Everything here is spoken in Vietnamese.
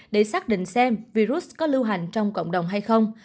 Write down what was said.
để xác định xem virus có lưu hành trong cộng đồng